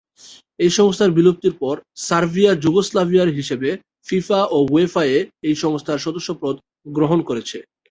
এই সংস্থার বিলুপ্তির পর সার্বিয়া যুগোস্লাভিয়ার হিসেবে ফিফা এবং উয়েফা-এ এই সংস্থার সদস্যপদ গ্রহণ করেছে।